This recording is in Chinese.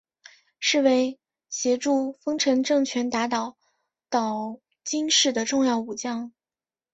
是为协助丰臣政权打倒岛津氏的重要武将。